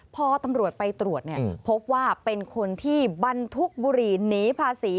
พอตำรวจไปตรวจพบว่าเป็นคนที่บรรทุกบุหรี่หนีภาษี